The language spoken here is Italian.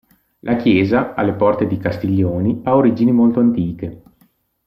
La chiesa, alle porte di Castiglioni, ha origini molto antiche.